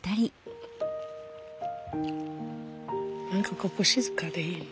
何かここ静かでいいね。